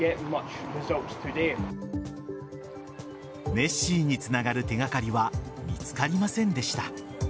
ネッシーにつながる手掛かりは見つかりませんでした。